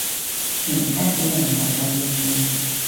全家俾人問候咗幾轉